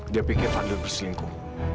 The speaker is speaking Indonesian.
dia pikir fadil berselingkuh